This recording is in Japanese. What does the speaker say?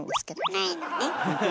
ないのね。